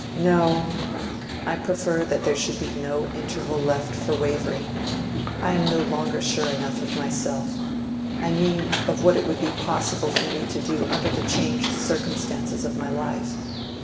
"No; I prefer that there should be no interval left for wavering. I am no longer sure enough of myself—I mean of what it would be possible for me to do under the changed circumstances of my life.